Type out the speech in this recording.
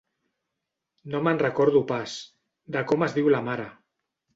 No me'n recordo pas, de com es diu la mare.